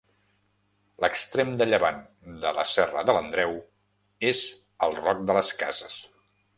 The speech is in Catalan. L'extrem de llevant de la Serra de l'Andreu és el Roc de les Cases.